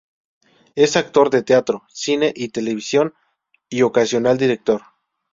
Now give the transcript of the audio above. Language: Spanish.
Es actor de teatro, cine y televisión, y ocasional director.